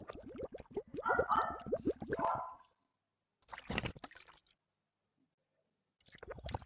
এটা খুবই উন্মুক্ত এবং লোকারণ্য।